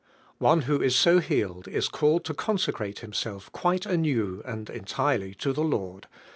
One who is so healed is called to consecrate himself quite anew and en tirely to the Lord (I.